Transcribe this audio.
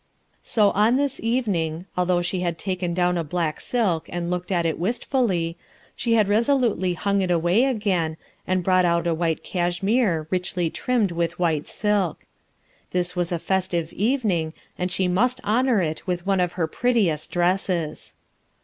So, on this evening, although she had taken down a black silk and looked at it wistfully, she had resolutely hung it away again, and brought out a white cashmere richly trimmed with white silk. This was a festive evening and she must honor it with one of her prettiest dresses.